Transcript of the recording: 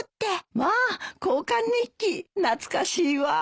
まあ交換日記。懐かしいわ。